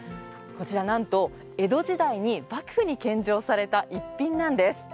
こちら、なんと江戸時代に幕府に献上された逸品なんです。